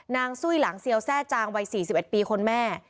ซุ้ยหลังเซียวแทร่จางวัย๔๑ปีคนแม่